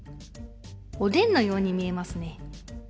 おでんのように見えますね。